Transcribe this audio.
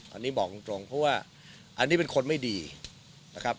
อันนี้บอกตรงเพราะว่าอันนี้เป็นคนไม่ดีนะครับ